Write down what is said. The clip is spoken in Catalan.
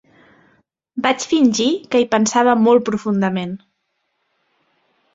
Vaig fingir que hi pensava molt profundament.